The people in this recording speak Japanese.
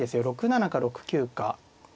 ６七か６九か。